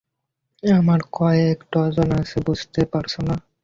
আমার কয়েক ডজন আছে, বুঝতে পারছ না।